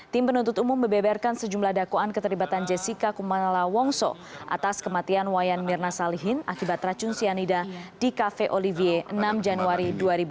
tim penuntut umum mebeberkan sejumlah dakwaan keterlibatan jessica kumala wongso atas kematian wayan mirna salihin akibat racun cyanida di cafe olivier enam januari dua ribu dua puluh